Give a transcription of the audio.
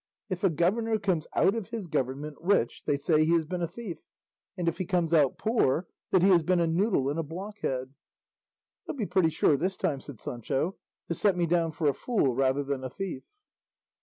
If a governor comes out of his government rich, they say he has been a thief; and if he comes out poor, that he has been a noodle and a blockhead." "They'll be pretty sure this time," said Sancho, "to set me down for a fool rather than a thief."